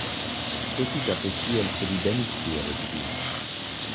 Petit à petit elle se lit d'amitié avec lui.